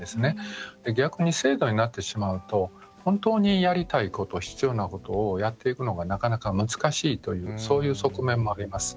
逆に制度になってしまうと本当にやりたいこと必要なことをやっていくのがなかなか難しいというそういう側面もあります。